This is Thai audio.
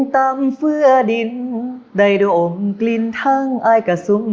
สักหน่อยหนูอยากฟัง